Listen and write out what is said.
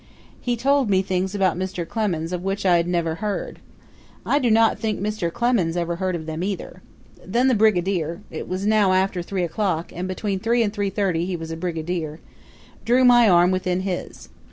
He told me things about Mr. Clemens of which I had never heard. I do not think Mr. Clemens ever heard of them either. Then the brigadier it was now after three o'clock, and between three and three thirty he was a brigadier drew my arm within his.